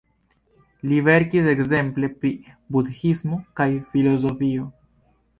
Li verkis ekzemple pri budhismo kaj filozofio.